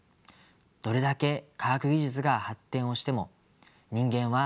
どれだけ科学技術が発展をしても人間は悩みを抱える生き物です。